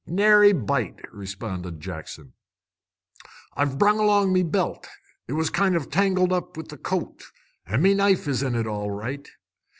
"Nary bite!" responded Jackson. "I've brung along me belt it was kind of tangled up wi' the coat an' me knife's in it, all right."